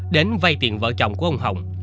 đến vay tiền vợ chồng của ông hồng